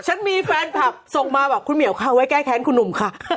ฉันมีแฟนคลับส่งมาบอกคุณเหมียวค่ะไว้แก้แค้นคุณหนุ่มค่ะ